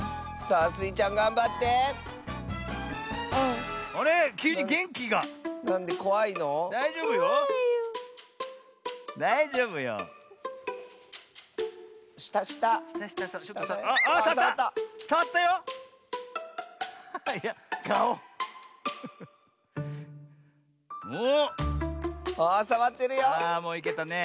ああもういけたね。